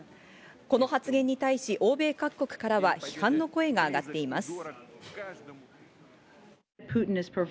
この発言に対し欧米各国からは批判の声が上がっています。